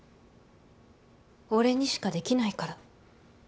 「俺にしかできないから」。